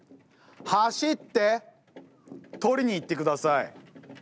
走って取りに行って下さい。